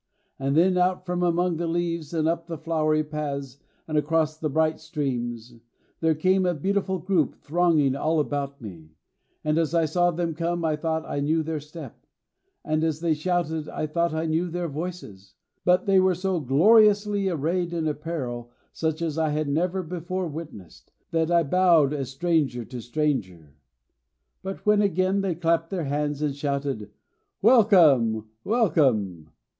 And then out from among the leaves and up the flowery paths and across the bright streams, there came a beautiful group thronging all about me, and as I saw them come I thought I knew their step, and as they shouted I thought I knew their voices, but they were so gloriously arrayed in apparel such as I had never before witnessed, that I bowed as stranger to stranger. But when again they clapped their hands and shouted 'Welcome! Welcome!'